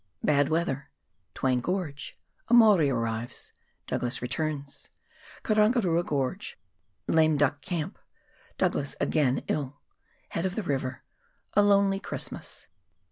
Bad Weather — Twain Gorge — A Maori arrives — Douglas returns — Karangaraa Gorge — Lame Duck Camp — Douglas again 111 — Head of the River — A Lonely Christmas.